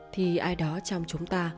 thì ai đó trong chúng ta